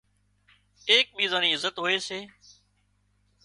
ايڪ ٻيزان ني عزت هوئي سي